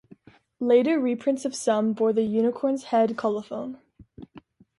Later reprints of some bore the Unicorn's Head colophon.